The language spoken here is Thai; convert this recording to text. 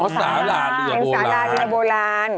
เป็นศาลาเรือโบราณ